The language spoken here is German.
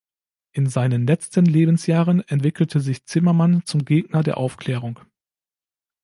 In seinen letzten Lebensjahren entwickelte sich Zimmermann zum Gegner der Aufklärung.